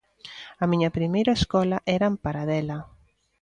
"A miña primeira escola era en Paradela".